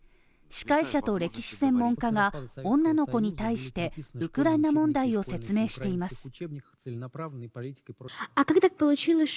司会者と歴史専門家が、女の子に対してウクライナ問題を説明しています。